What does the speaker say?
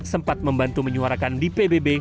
sempat membantu menyuarakan di pbb